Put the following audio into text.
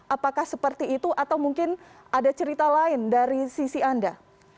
apakah seperti itu atau mungkin ada cerita lain dari sisi anda